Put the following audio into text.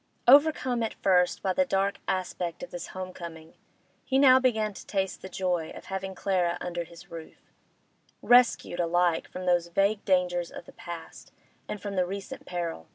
Overcome at first by the dark aspect of this home coming, he now began to taste the joy of having Clara under his roof, rescued alike from those vague dangers of the past and from the recent peril.